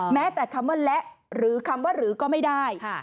แม้แต่คำว่าและหรือคำว่าหรือก็ไม่ได้